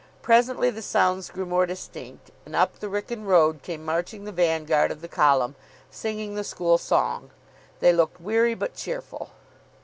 Presently the sounds grew more distinct, and up the Wrykyn road came marching the vanguard of the column, singing the school song. They looked weary but cheerful.